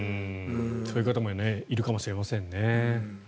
そういう方もいるかもしれませんね。